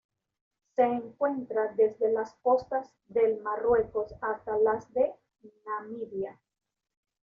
Se encuentra desde las costas del Marruecos hasta las de Namibia.